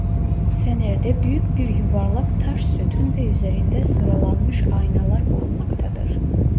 Fenerde büyük bir yuvarlak taş sütun ve üzerinde sıralanmış aynalar bulunmaktadır.